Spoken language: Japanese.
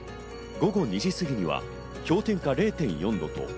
午後２時過ぎには氷点下０．４度。